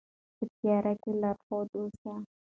په تیاره کې لارښود اوسئ.